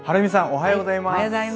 おはようございます。